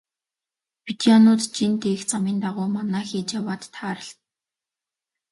Бедоинууд жин тээх замын дагуу манаа хийж яваад тааралдана.